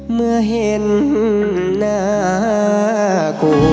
เมื่อเห็นน่ากลัว